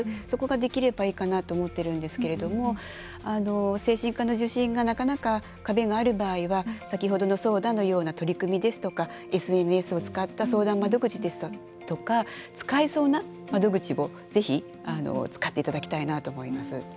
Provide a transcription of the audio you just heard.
そこができればいいかなと思っているんですけれども精神科の受診がなかなか壁がある場合は先ほどのＳＯＤＡのような取り組みですとかＳＮＳを使った相談窓口ですとか使えそうな窓口をぜひ使っていただきたいなと思います。